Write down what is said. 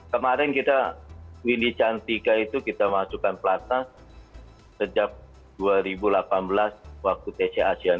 kemarin kita windy cantika itu kita masukkan pelatnas sejak dua ribu delapan belas waktu tc asean